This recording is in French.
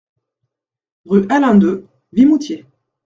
Rue Allain deux, Vimoutiers